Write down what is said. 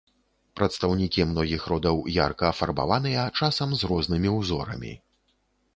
Прадстаўнікі многіх родаў ярка афарбаваныя, часам з рознымі ўзорамі.